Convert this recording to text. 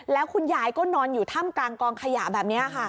แล้วคุณยายก็นอนอยู่ถ้ำกลางกองขยะแบบนี้ค่ะ